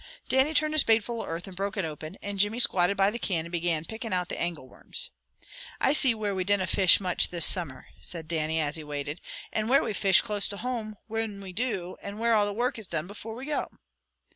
Dannie turned a spadeful of earth and broke it open, and Jimmy squatted by the can, and began picking out the angle worms. "I see where we dinna fish much this summer," said Dannie, as he waited. "And where we fish close home when we do, and where all the work is done before we go."